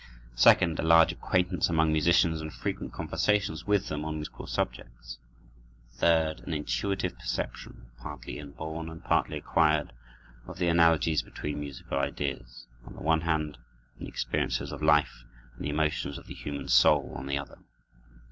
Second, a large acquaintance among musicians, and frequent conversations with them on musical subjects. Third, an intuitive perception, partly inborn and partly acquired, of the analogies between musical ideas, on the one hand, and the experiences of life and the emotions of the human soul, on the other.